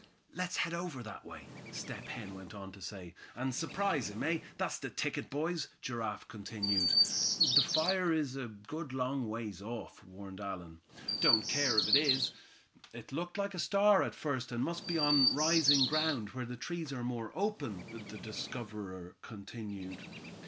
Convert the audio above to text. "Let's head over that way," Step Hen went on to say. "And surprise him, eh? That's the ticket, boys," Giraffe continued. "That fire is a good long ways off," warned Allan. "Don't care if it is." "It looked like a star at first, and must be on rising ground, where the trees are more open," the discoverer continued.